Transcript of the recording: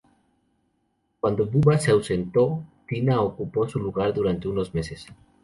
Cuando Bubba se ausentó, Tina ocupó su lugar durante unos meses.